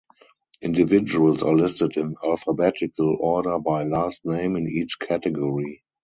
Individuals are listed in alphabetical order by last name in each category.